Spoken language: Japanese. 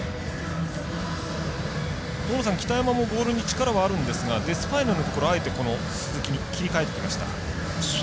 北山もボールに力あるんですがデスパイネのところあえて、鈴木に切り替えてきました。